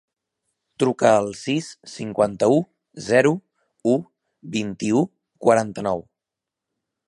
Truca al sis, cinquanta-u, zero, u, vint-i-u, quaranta-nou.